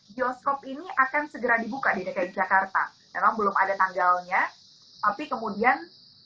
bioskop ini akan segera dibuka di dki jakarta memang belum ada tanggalnya tapi kemudian